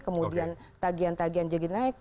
kemudian tagian tagian jagi naik